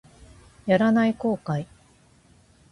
やらない後悔